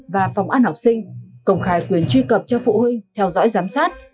và phòng ăn học sinh công khai quyền truy cập cho phụ huynh theo dõi giám sát